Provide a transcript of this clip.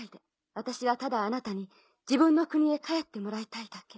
私はただあなたに自分の国へ帰ってもらいたいだけ。